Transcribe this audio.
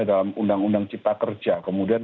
dalam undang undang cipta kerja kemudian